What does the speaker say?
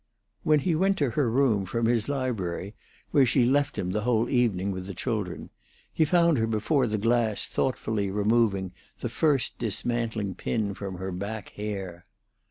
When he went to her room from his library, where she left him the whole evening with the children, he found her before the glass thoughtfully removing the first dismantling pin from her back hair.